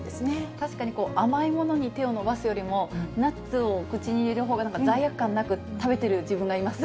確かに甘いものに手を伸ばすよりも、ナッツを口に入れるほうが、なんか罪悪感なく食べている自分がいます。